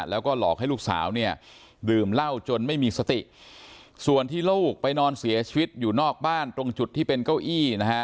แล้วก็หลอกให้ลูกสาวเนี่ยดื่มเหล้าจนไม่มีสติส่วนที่ลูกไปนอนเสียชีวิตอยู่นอกบ้านตรงจุดที่เป็นเก้าอี้นะฮะ